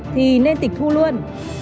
thì nên tịch thu luôn